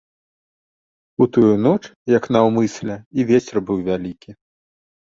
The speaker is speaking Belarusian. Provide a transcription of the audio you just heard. У тую ноч як наўмысля і вецер быў вялікі.